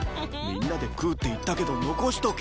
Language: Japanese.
みんなで食うって言ったけど残しておけよ！